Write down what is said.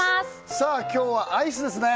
さあ今日はアイスですね